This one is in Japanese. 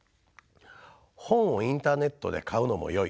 本をインターネットで買うのもよい。